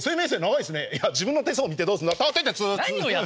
いや自分の手相見てどうすんの。